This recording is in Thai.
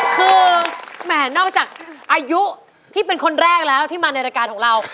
คือแหม่นอกจากอายุที่เป็นคนแรกแล้วที่มาในรายการของเรา